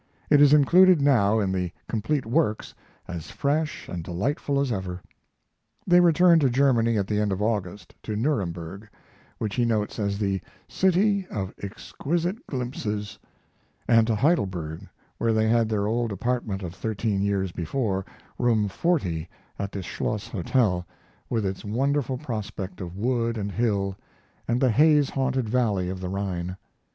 It is included now in the "Complete Works," as fresh and delightful as ever. They returned to Germany at the end of August, to Nuremberg, which he notes as the "city of exquisite glimpses," and to Heidelberg, where they had their old apartment of thirteen years before, Room 40 at the Schloss Hotel, with its wonderful prospect of wood and hill, and the haze haunted valley of the Rhine.